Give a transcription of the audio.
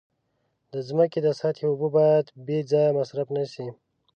د ځمکې د سطحې اوبه باید بې ځایه مصرف نشي.